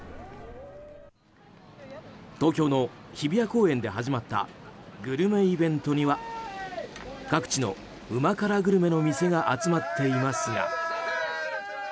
東京の日比谷公園で始まったグルメイベントには各地のうま辛グルメの店が集まっていますが。